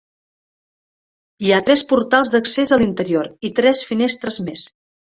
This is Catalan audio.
Hi ha tres portals d'accés a l'interior i tres finestres més.